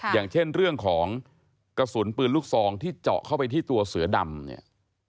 อย่างเช่นเรื่องของกระสุนปืนลูกซองที่เจาะเข้าไปที่ตัวเสือดำเนี่ย